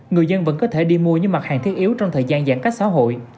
người dân vẫn có thể đi mua những mặt hàng thiết yếu trong thời gian giãn cách xã hội